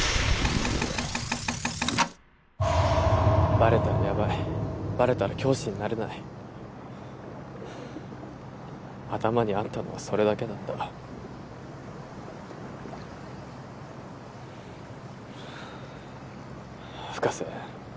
バレたらヤバいバレたら教師になれない頭にあったのはそれだけだった深瀬